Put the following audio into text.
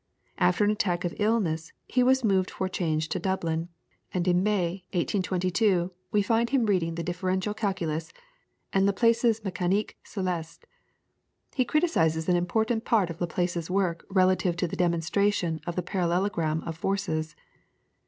After an attack of illness, he was moved for change to Dublin, and in May, 1822, we find him reading the differential calculus and Laplace's "Mecanique Celeste." He criticises an important part of Laplace's work relative to the demonstration of the parallelogram of forces.